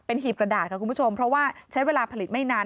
หีบกระดาษค่ะคุณผู้ชมเพราะว่าใช้เวลาผลิตไม่นาน